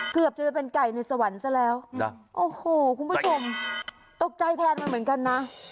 เกือบจะไปเป็นไก่ในสวรรค์ซะแล้วนะโอ้โหคุณผู้ชมตกใจแทนมันเหมือนกันนะ